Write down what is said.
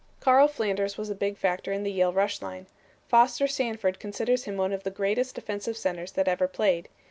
'" Carl Flanders was a big factor in the Yale rush line. Foster Sanford considers him one of the greatest offensive centers that ever played.